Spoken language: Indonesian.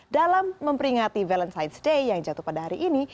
dalam memperingati valentine's day yang jatuh pada hari ini